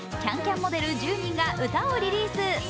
ＣａｎＣａｍモデル１０人が歌をリリース。